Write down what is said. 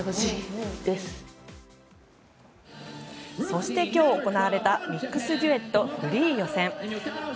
そして今日行われたミックスデュエットフリー予選。